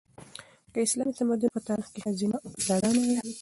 د اسلامي تمدن په تاریخ کې ښځینه استادانې وې.